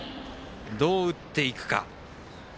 どう打っていくか。